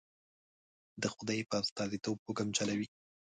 د خدای په استازیتوب حکم چلوي.